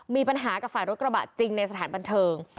มีปัญหากับฝ่ายรถกระบะจริงในสถานบันเทิง